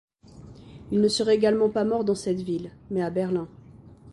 Il ne serait également pas mort dans cette ville, mais à Berlin.